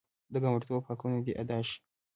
د ګاونډیتوب حقونه دې ادا شي.